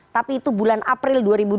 tapi itu bulan april dua ribu dua puluh